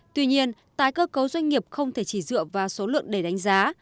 tuy nhiên tái cơ cấu doanh nghiệp không thể chỉ dựa vào số lượng để đánh giá